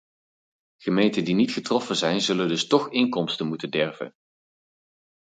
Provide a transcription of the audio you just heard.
Gemeenten die niet getroffen zijn, zullen dus toch inkomsten moeten derven.